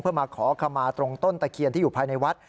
เพื่อมาขอขมาตรงต้นตะเคียนที่อยู่ภายในวัด